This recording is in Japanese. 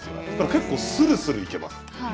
結構、するするいけます。